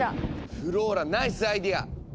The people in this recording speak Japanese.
フローラナイスアイデア！